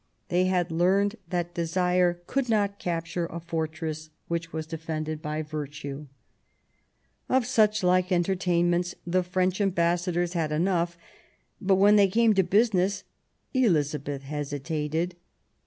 They had learned that Desire (iould not capture a fortress which was defended by Virtue. Of such like entertainments the French ambas sadors had enough; but when they canje to business 12 178 QUEEN Elizabeth: Elizabeth hesitated.